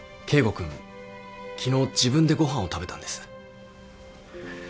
君昨日自分でご飯を食べたんです。